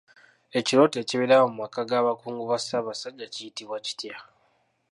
Ekyoto ekibeera mu maka ga bakungu ba Ssaabasajja kiyitibwa kitya?